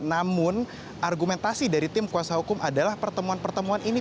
namun argumentasi dari tim kuasa hukum adalah pertemuan pertemuan ini